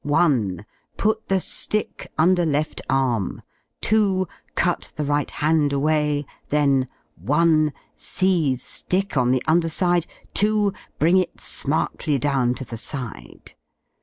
Put the ^ick under left arm; 2. Cut the right hand away; then 1. Seize Aick on the under side; 2. Bring it smartly down to the side.